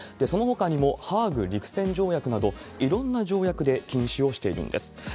そのほかにもハーグ陸戦条約など、いろんな条約で禁止をしているんです。